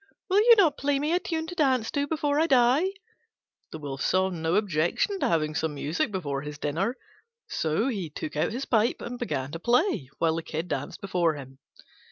Will you not play me a tune to dance to before I die?" The Wolf saw no objection to having some music before his dinner: so he took out his pipe and began to play, while the Kid danced before him.